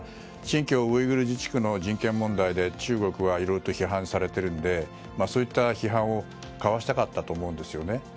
新疆ウイグル自治区の人権問題で中国はいろいろ批判されているのでそういった批判をかわしたかったと思うんですね。